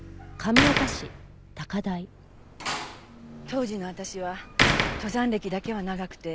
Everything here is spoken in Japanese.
当時の私は登山歴だけは長くて。